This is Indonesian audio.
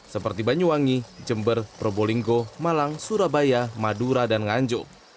seperti banyuwangi jember probolinggo malang surabaya madura dan nganjuk